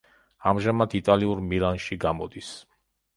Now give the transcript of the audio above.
ამჟამად იტალიურ „მილანში“ გამოდის.